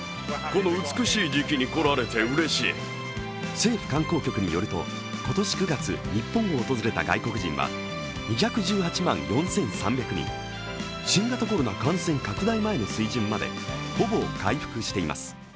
政府観光局によると今年９月日本を訪れた外国人は２１８万４３００人、新型コロナ感染拡大前の水準までほぼ回復しています。